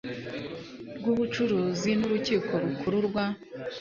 rw ubucuruzi n urukiko rukuru rwa